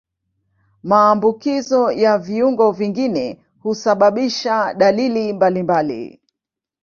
Maambukizi ya viungo vingine husababisha dalili mbalimbali.